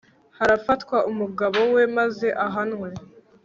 harafatwa umugabo we maze ahanwe